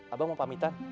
abah mau pamitan